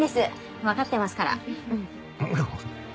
わかってますから。